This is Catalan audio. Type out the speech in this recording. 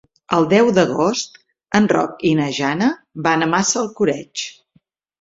El deu d'agost en Roc i na Jana van a Massalcoreig.